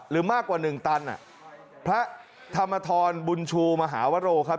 หรือมากกว่า๑ตันพระธรรมธรบุญชูมหาวะโลกครับ